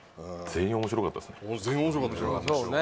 全員面白かったそうね